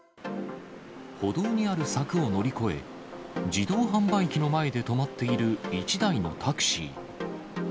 歩道にある柵を乗り越え、自動販売機の前で止まっている１台のタクシー。